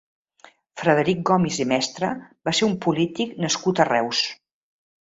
Frederic Gomis i Mestre va ser un polític nascut a Reus.